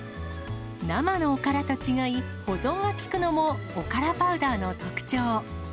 生のおからと違い、保存が利くのもおからパウダーの特徴。